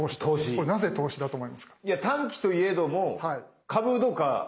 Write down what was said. これなぜ投資だと思いますか？